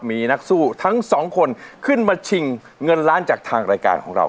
มีนักสู้ทั้งสองคนขึ้นมาชิงเงินล้านจากทางรายการของเรา